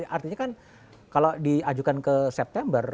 artinya kan kalau diajukan ke september